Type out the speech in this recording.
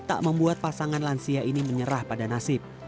tak membuat pasangan lansia ini menyerah pada nasib